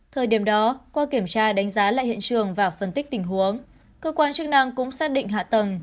thời điểm đó qua kiểm tra đánh giá lại hiện trường và phân tích tình huống cơ quan chức năng cũng xác định hạ tầng